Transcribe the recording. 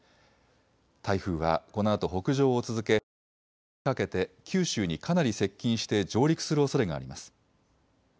台風はこのあと北上を続けあすにかけて九州にかなり接近して上陸するおそれがあります。